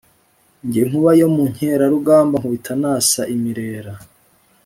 Jye nkuba yo mu nkerarugamba nkubita nasa imirera.